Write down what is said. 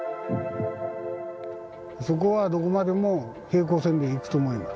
そこはどこまでも平行線でいくと思います。